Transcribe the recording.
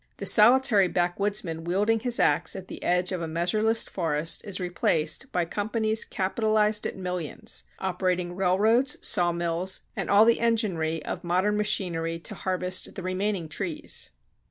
The solitary backwoodsman wielding his ax at the edge of a measureless forest is replaced by companies capitalized at millions, operating railroads, sawmills, and all the enginery of modern machinery to harvest the remaining trees.